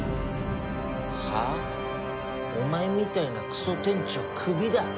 お前みたいなクソ店長クビだ。